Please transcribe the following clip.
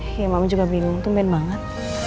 ya mama juga bingung tumben banget